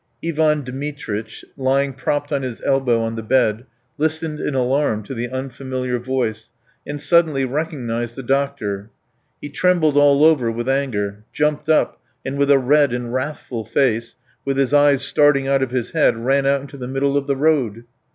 Ivan Dmitritch, lying propped on his elbow on the bed, listened in alarm to the unfamiliar voice, and suddenly recognized the doctor. He trembled all over with anger, jumped up, and with a red and wrathful face, with his eyes starting out of his head, ran out into the middle of the road.